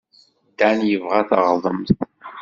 Dan yebɣa taɣdemt.